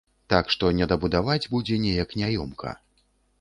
Так што недабудаваць будзе неяк няёмка.